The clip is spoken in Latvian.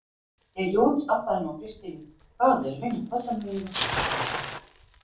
Ja jūds apvaino kristieti, kāda ir viņa pazemība?